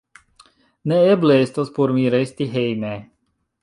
Neeble estas por mi resti hejme!